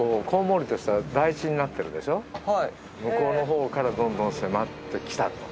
向こうの方からどんどん迫ってきたと。